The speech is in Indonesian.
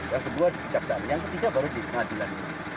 yang kedua di pijak sana yang ketiga baru di pengadilan